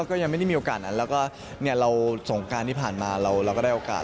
ก็ยังไม่ได้มีโอกาสนั้นแล้วก็เราสงการที่ผ่านมาเราก็ได้โอกาส